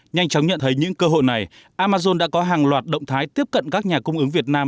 nhanh chóng nhận thấy những cơ hội này amazon đã có hàng loạt động thái tiếp cận các nhà cung ứng việt nam